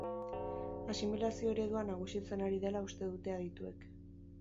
Asimilazio eredua nagusitzen ari dela uste dute adituek.